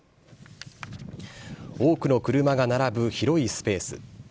多くの車が並ぶ広いスペース。